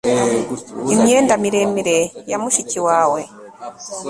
Imyenda miremire ya mushiki wawe